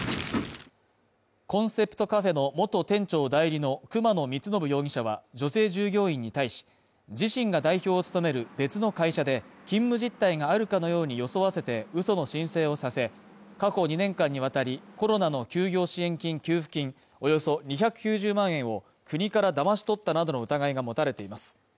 コンセプトカフェの元店長代理の熊野光伸容疑者は、女性従業員に対し、自身が代表を務める別の会社で勤務実態があるかのように装わせて、うその申請をさせ、過去２年間にわたり、コロナの休業支援金・給付金およそ２９０万円を国からだましとったなどの疑いが持たれています。